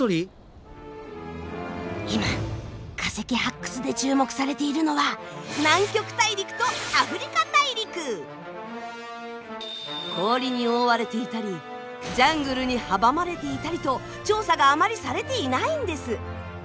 今化石発掘で注目されているのは氷に覆われていたりジャングルに阻まれていたりと調査があまりされていないんです。